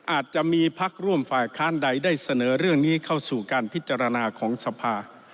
อาจจะมีพักร่วมฝ่ายค้านใดได้เสนอเรื่องนี้เข้าสู่การพิจารณาของสภา